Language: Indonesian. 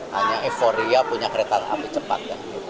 hanya euforia punya kereta api cepat